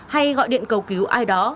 hay gọi điện cầu cứu ai đó